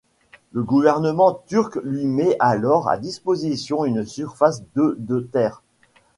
Le gouvernement turc lui met alors à disposition une surface de de terres.